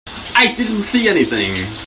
I didn't see anything.